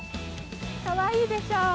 かわいいでしょう？